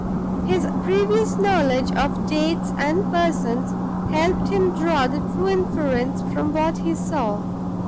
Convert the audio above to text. His previous knowledge of dates and persons helped him to draw the true inference from what he saw.